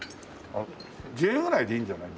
Ｊぐらいでいいんじゃない？